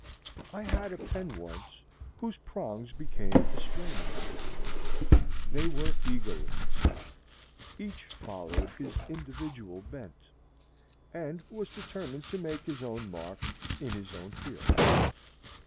I had a pen once whose prongs became estranged. They were egoists: each followed his individual bent, and was determined to make his own mark in his own field.